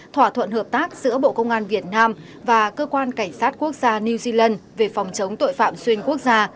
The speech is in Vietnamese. thỏa thuận hợp tác giữa bộ công an việt nam và cơ quan cảnh sát quốc gia new zealand về phòng chống tội phạm xuyên quốc gia